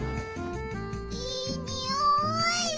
いいにおい！